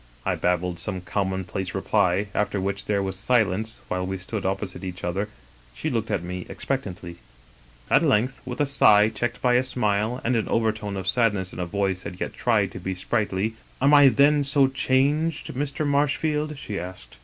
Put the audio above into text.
" I babbled some commonplace reply, after which there was silence while we stood opposite each other, she look ing at me expectantly. At length, with a sigh checked by a smile and an overtone of sadness in a voice that yet tried to be sprightly: "'Am I then so changed, Mr. Marshfield?' she asked.